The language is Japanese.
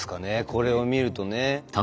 これを見るとね。